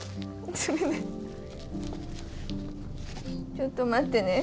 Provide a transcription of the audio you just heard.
ちょっと待ってね。